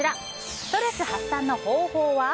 ストレス発散の方法は。